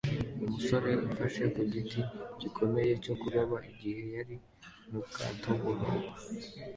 Umusore ufashe ku giti gikomeye cyo kuroba igihe yari mu bwato buroba